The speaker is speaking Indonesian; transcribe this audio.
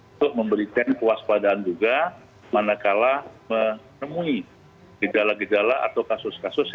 untuk memberikan kewaspadaan juga manakala menemui gejala gejala atau kasus kasus